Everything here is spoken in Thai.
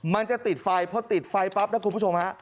มันจะติดไฟพอติดไฟปั๊บนะคุณผู้ชมฮะ